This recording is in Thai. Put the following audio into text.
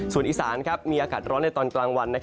ส่วนอีสานมีอากาศร้อนในตอนกลางวัน